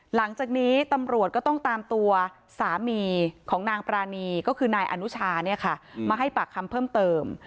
หลังจากนี้ตำรวจก็ต้องตามตัวสามีของนางปรานีก็คือนายอนุชามาให้ปากคำเพิ่มเติม